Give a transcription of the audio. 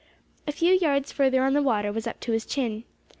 A few yards further on the water was up to his chin.